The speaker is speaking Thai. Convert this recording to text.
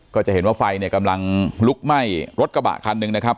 ก็จะเห็นว่าไฟเนี่ยกำลังลุกไหม้รถกระบะคันหนึ่งนะครับ